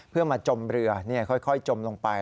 เพื่อมาจมเรือค่อยจมลงไป